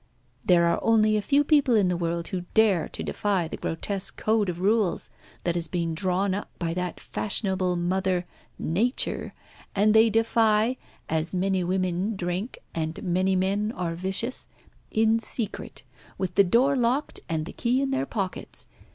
There are only a few people in the world who dare to defy the grotesque code of rules that has been drawn up by that fashionable mother, Nature, and they defy as many women drink, and many men are vicious in secret, with the door locked and the key in their pockets.